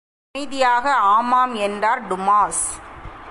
அமைதியாக, ஆமாம் என்றார் டுமாஸ்.